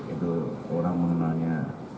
itu orang mengenalnya